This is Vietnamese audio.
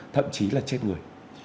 thậm chí là chết người